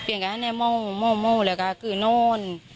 เปลี่ยนกับฮันเนี่ยโม่โม่โม่แหละก็คือโน่น